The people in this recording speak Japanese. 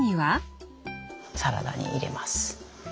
サラダに入れます。